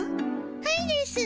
はいですぅ。